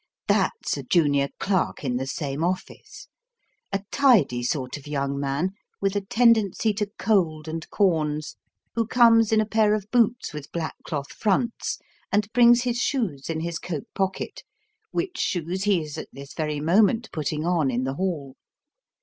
That's a junior clerk in the same office ; a tidy sort of young man, with a tendency to cold and corns, who comes in a pair of boots with black cloth fronts, and brings his shoes in his coat pocket, which shoes he is at this very moment putting on in the hall.